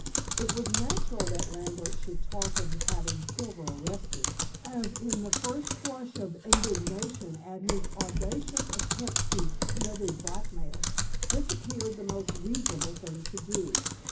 It was natural that Lambert should talk of having Silver arrested, as in the first flush of indignation at his audacious attempt to levy blackmail, this appeared the most reasonable thing to do.